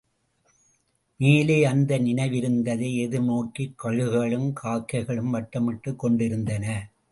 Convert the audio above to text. மேலே அந்த நிணவிருந்தை எதிர்நோக்கிக் கழுகுகளும் காக்கைகளும் வட்ட மிட்டுக் கொண்டிருந்தன.